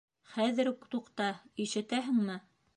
Хәҙер үк туҡта, ишетәһеңме?